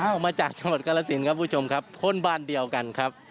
มาจากจังหวัดกาลสินครับผู้ชมครับคนบ้านเดียวกันครับ